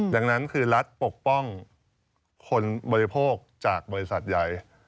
ดังนั้นคือรัฐปกป้องคนบริโภคจากบริษัทใหญ่